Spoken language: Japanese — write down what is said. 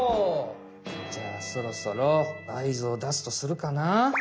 じゃあそろそろあいずをだすとするかな。